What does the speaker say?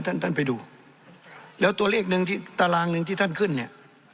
ท่านท่านไปดูแล้วตัวเลขหนึ่งที่ตารางหนึ่งที่ท่านขึ้นเนี่ย